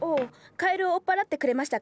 カエルを追っ払ってくれましたか？